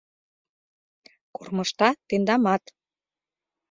Кормыжта тендамат.